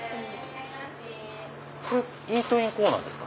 これイートインコーナーですか？